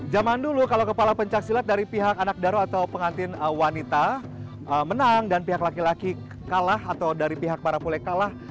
zaman dulu kalau kepala pencaksilat dari pihak anak daro atau pengantin wanita menang dan pihak laki laki kalah atau dari pihak para kule kalah